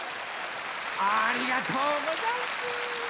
ありがとうござんす。